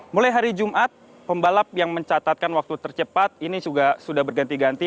mulai hari jumat pembalap yang mencatatkan waktu tercepat ini juga sudah berganti ganti